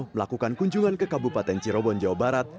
melakukan kunjungan ke kabupaten cirebon jawa barat